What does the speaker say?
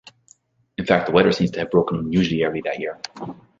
In fact the weather seems to have broken unusually early that year.